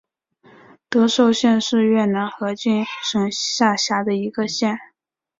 德寿县是越南河静省下辖的一个县。